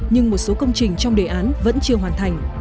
nhưng một số công trình trong đề án vẫn chưa hoàn thành